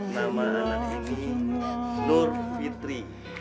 nama anak ini nur fitri